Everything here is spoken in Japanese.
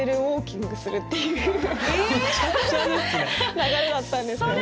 流れだったんですよね。